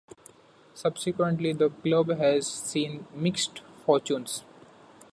Subsequently, the club has seen mixed fortunes.